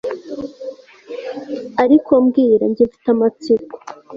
aliko mbwira jye mfite amatsiko